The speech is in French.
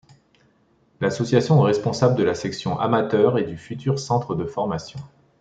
L'association est responsable de la section amateur et du futur centre de formation.